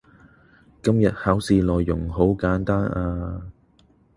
今日考試內容好簡單呀